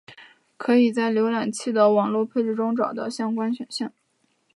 可以在浏览器的网络配置里找到相关选项。